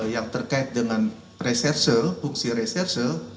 yang terkait dengan reserse fungsi reserse